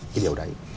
cái điều đấy